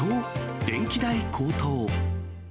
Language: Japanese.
電気代高騰。